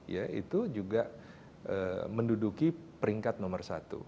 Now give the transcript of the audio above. ya itu juga menduduki peringkat nomor satu